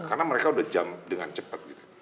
karena mereka udah jump dengan cepat